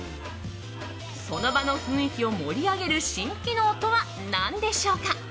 その場の雰囲気を盛り上げる新機能とは何でしょうか。